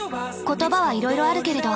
言葉はいろいろあるけれど。